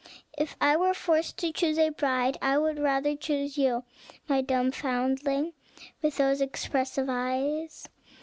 If I were forced to choose a bride, I would rather choose you, my dumb foundling, with those expressive eyes."